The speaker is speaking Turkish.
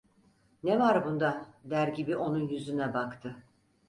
"Ne var bunda?" der gibi onun yüzüne baktı.